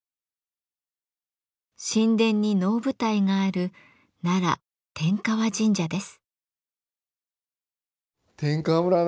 神殿に能舞台がある奈良天河神社です。